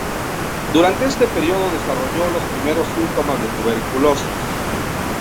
Durante este periodo desarrolló los primeros síntomas de tuberculosis.